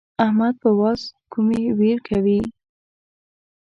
احمد په واز کومې وير کوي.